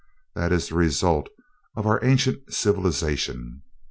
That is the result of our ancient civilization.